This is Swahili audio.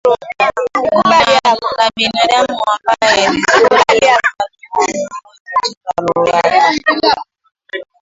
na la binadamu ambaye ni sura na mfano wa Mungu Huyo katika roho yake